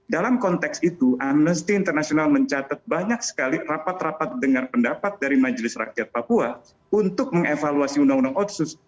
dalam konteks itu amnesty international mencatat banyak sekali rapat rapat dengar pendapat dari majelis rakyat papua untuk mengevaluasi undang undang otsus